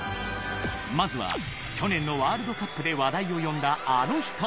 まずは去年のワールドカップで話題を呼んだあの人。